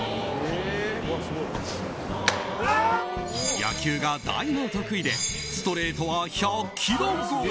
野球が大の得意でストレートは１００キロ超え。